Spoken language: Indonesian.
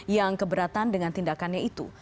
yang keberatan dengan tindakannya itu